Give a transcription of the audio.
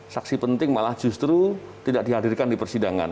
saksi penting malah justru tidak dihadirkan di persidangan